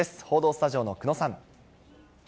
報道スタジオの久野さん。